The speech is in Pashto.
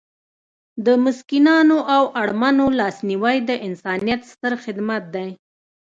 د مسکینانو او اړمنو لاسنیوی د انسانیت ستر خدمت دی.